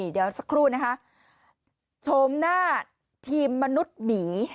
เดี๋ยวสักครู่นะคะโฉมหน้าทีมมนุษย์หมี